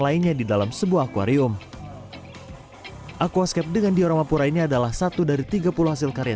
lainnya di dalam sebuah akwarium aquascape dengan diorama pura ini adalah satu dari tiga puluh hasil karya